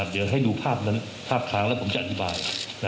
เดี๋ยวให้ดูภาพนั้นภาพค้างแล้วผมจะอธิบาย